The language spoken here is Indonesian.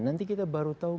nanti kita baru tahu